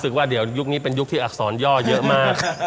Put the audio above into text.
ว่าเดี๋ยวยุคนี้เป็นยุคที่อักษรย่อเยอะมาก